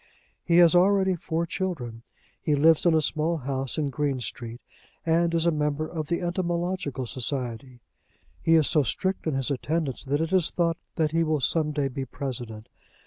He has already four children. He lives in a small house in Green Street, and is a member of the Entomological Society. He is so strict in his attendance that it is thought that he will some day be president.